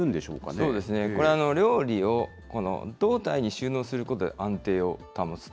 そうですね、これは料理を胴体に収納することで、安定を保つと。